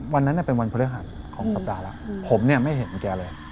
วันนั้นเป็นวันพฤหัสของสัปดาห์แล้วผมเนี่ยไม่เห็นแกเลย